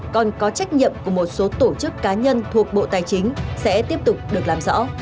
còn có trách nhiệm của một số tổ chức cá nhân thuộc bộ tài chính sẽ tiếp tục được làm rõ